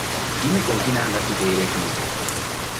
Dime con quién andas y te diré quién eres.